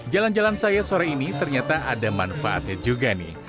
jalan jalan saya sore ini ternyata ada manfaatnya juga nih